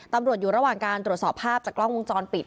ตำรวจอยู่ระหว่างการตรวจสอบภาพจากกล้องวงจรปิด